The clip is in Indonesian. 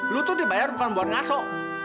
lu tuh dibayar bukan buat masuk